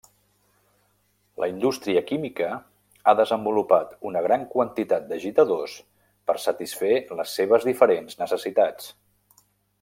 La indústria química ha desenvolupat una gran quantitat d'agitadors per satisfer les seves diferents necessitats.